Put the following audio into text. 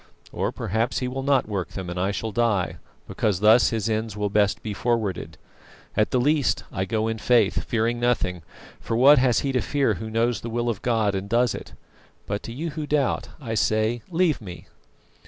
Or perhaps He will not work them, and I shall die, because thus His ends will best be forwarded. At the least I go in faith, fearing nothing, for what has he to fear who knows the will of God and does it? But to you who doubt, I say leave me!"